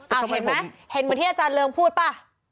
เอาเห็นไหมเห็นเหมือนที่อาจารย์เริงพูดป่ะ